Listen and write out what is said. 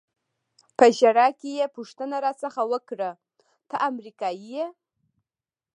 په ژړا کې یې پوښتنه را څخه وکړه: ته امریکایي یې؟